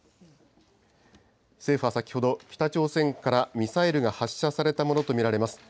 政府は先ほど、北朝鮮からミサイルが発射されたものと見られます。